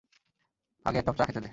আগে এক কাপ চা খেতে দে।